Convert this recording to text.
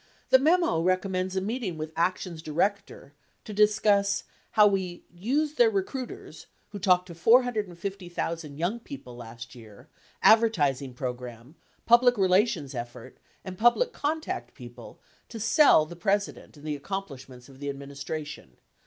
The memo recommends a meeting with ACTION'S Director to discuss how "we used their recruiters (who talked to 450,000 young people last year) , advertising program, public relations effort, and public contact people, to sell the President and the accomplishments of the administration.